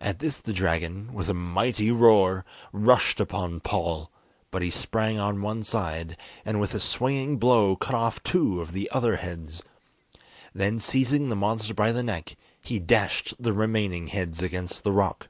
At this the dragon, with a mighty roar, rushed upon Paul, but he sprang on one side, and with a swinging blow cut off two of the other heads. Then, seizing the monster by the neck, he dashed the remaining heads against the rock.